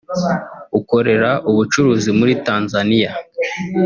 ukorera ubucuruzi muri Tanzania